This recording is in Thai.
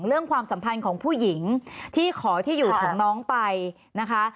ความสัมพันธ์ของผู้หญิงที่ขอที่อยู่ของน้องไปนะคะ